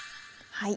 はい。